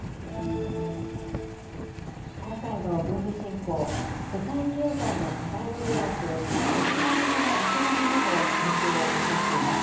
今回の軍事侵攻、世界経済の課題を議論する国際的な枠組みにも、影響を及ぼしています。